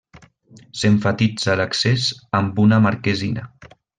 S'emfatitza l'accés amb una marquesina.